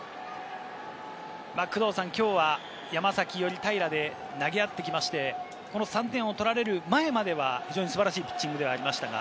きょうは山崎伊織、平良で投げ合ってきまして、この３点を取られる前までは、非常に素晴らしいピッチングではありましたが。